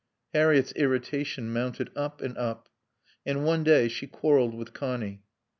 Harriett's irritation mounted up and up. And one day she quarreled with Connie.